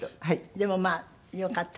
でもまあよかったね